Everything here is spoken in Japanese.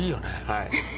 はい。